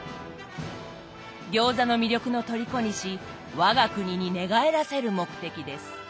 餃子の魅力の虜にし我が国に寝返らせる目的です。